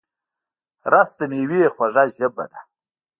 رس د مېوې خوږه ژبه ده